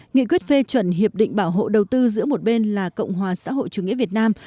nghị quyết phê chuẩn hiệp định bảo hộ đầu tư giữa một bên là cộng hòa xã hội chủ nghĩa việt nam